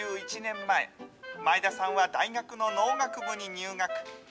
２１年前、前田さんは大学の農学部に入学。